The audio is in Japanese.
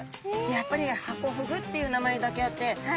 やっぱりハコフグっていう名前だけあって箱形ですよね。